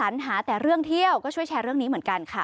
ปัญหาแต่เรื่องเที่ยวก็ช่วยแชร์เรื่องนี้เหมือนกันค่ะ